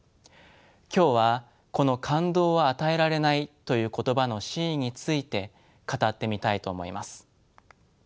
今日はこの「感動は与えられない」という言葉の真意について語ってみたいと思います。